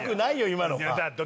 今の。